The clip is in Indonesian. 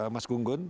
mas gung gun